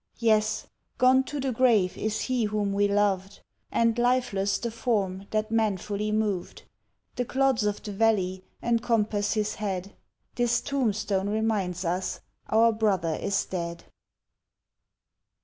Yes, gone to the grave is he whom we lov'd And lifeless the form that manfully mov'd, The clods of the valley encompass his head, This tombstone reminds us our brother is dead.